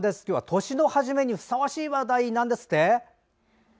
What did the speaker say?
年の初めにふさわしい話題なんですって？